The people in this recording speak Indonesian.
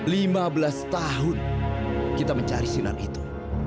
lima belas tahun kita mencari sinar itu